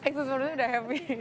iya eksekutif produser udah happy